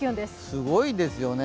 すごいですよね。